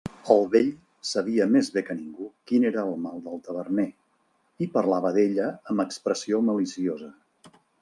El vell sabia més bé que ningú quin era el mal del taverner, i parlava d'ella amb expressió maliciosa.